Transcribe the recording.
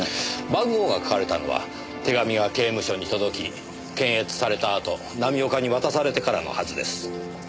番号が書かれたのは手紙が刑務所に届き検閲されたあと浪岡に渡されてからのはずです。